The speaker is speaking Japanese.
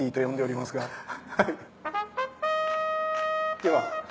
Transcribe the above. では。